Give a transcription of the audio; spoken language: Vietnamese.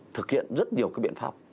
thực hiện rất nhiều cái biện pháp